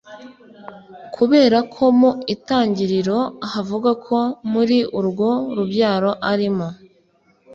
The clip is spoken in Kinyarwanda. kubera ko mu itangiriro havuga ko muri urwo rubyaro ari mo